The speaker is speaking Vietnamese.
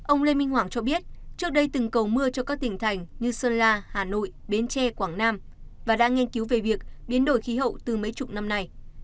ông lê minh hoàng cho biết trước đây từng cầu mưa cho các tỉnh thành như sơn la hà nội bến tre quảng nam và đã nghiên cứu về việc biến đổi khí hậu từ mấy chục năm nay